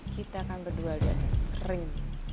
kita akan berduel di atas ring